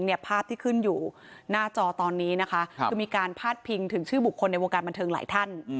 ภาพที่ขึ้นอยู่หน้าจอตอนนี้นะคะคือมีการพาดพิงถึงชื่อบุคคลในวงการบันเทิงหลายท่าน